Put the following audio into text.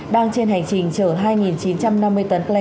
đang trên hành trình chở hai nghìn chín trăm năm mươi